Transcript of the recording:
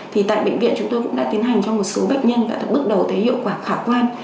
thì tại bệnh viện chúng tôi cũng đã tiến hành cho một số bệnh nhân và bước đầu thấy hiệu quả khả quan